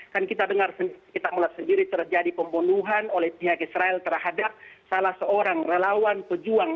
kan kita dengar kita melihat sendiri terjadi pembunuhan oleh pihak israel terhadap salah seorang relawan pejuang